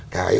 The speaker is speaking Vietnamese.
cái nội sinh